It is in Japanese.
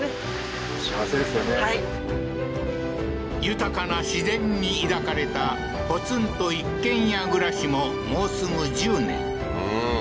豊かな自然にいだかれたポツンと一軒家暮らしも、もうすぐ１０年。